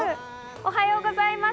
おはようございます。